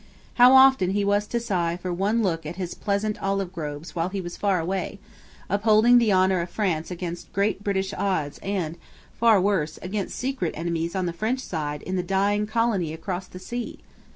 How often he was to sigh for one look at his pleasant olive groves when he was far away, upholding the honour of France against great British odds and, far worse, against secret enemies on the French side in the dying colony across the sea!